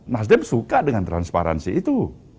nasdem suka dengan transparansi itu